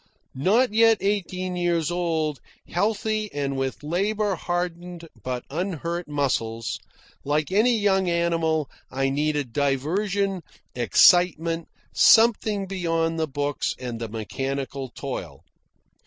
Not yet eighteen years old, healthy and with labour hardened but unhurt muscles, like any young animal I needed diversion, excitement, something beyond the books and the mechanical toil.